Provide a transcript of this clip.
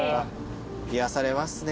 癒やされますね